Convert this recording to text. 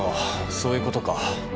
そういうことか。